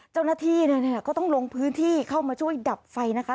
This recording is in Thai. เจ้าหน้าที่เนี่ยก็ต้องลงพื้นที่เข้ามาช่วยดับไฟนะคะ